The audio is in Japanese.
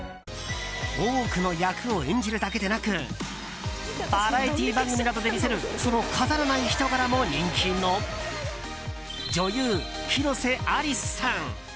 多くの役を演じるだけでなくバラエティー番組などで見せるその飾らない人柄も人気の女優・広瀬アリスさん。